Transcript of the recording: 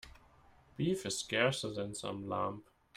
Beef is scarcer than some lamb.